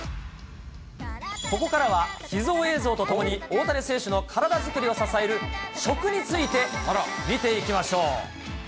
ここからは秘蔵映像とともに、大谷選手の体作りを支える食について見ていきましょう。